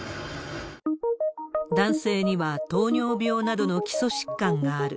男性には糖尿病などの基礎疾患がある。